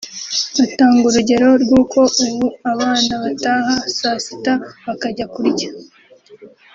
Atanga urugero rw’uko ubu abana bataha saa sita bakajya kurya